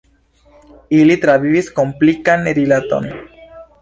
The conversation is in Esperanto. Ili travivis komplikan rilaton.